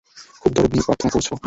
খুবই দরদ দিয়ে প্রার্থনা করেছ।